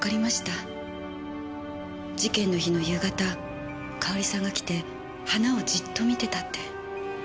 事件の日の夕方かおりさんが来て花をジッと見てたって。